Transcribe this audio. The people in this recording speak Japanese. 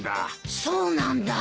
そうなんだ。